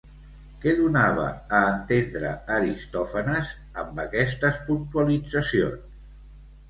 Què donava a entendre Aristòfanes amb aquestes puntualitzacions?